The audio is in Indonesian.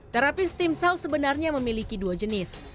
terapi stem cell sebenarnya memiliki dua jenis